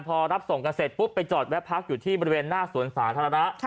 พอรับส่งกันเสร็จปุ๊บไปจอดแวะพักอยู่ที่บริเวณหน้าสวนสาธารณะ